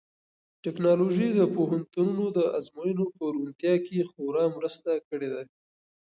ټیکنالوژي د پوهنتونونو د ازموینو په روڼتیا کې خورا مرسته کړې ده.